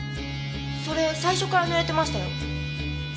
それ最初から濡れてましたよ。